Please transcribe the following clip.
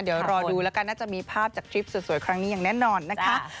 เดี๋ยวรอดูแล้วกันน่าจะมีภาพจากทริปสวยครั้งนี้อย่างแน่นอนนะคะ